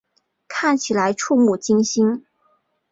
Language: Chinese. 看起来怵目惊心